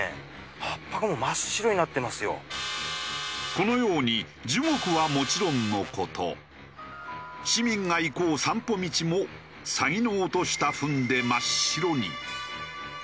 このように樹木はもちろんの事市民が憩う散歩道もサギの落としたフンで真っ白に。